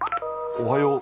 おはよう。